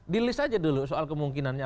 dilih saja dulu soal kemungkinannya